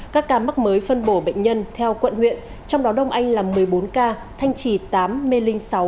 các ca mắc mới phân bổ bệnh nhân theo quận huyện trong đó đông anh là một mươi bốn ca thanh trì tám mê linh sáu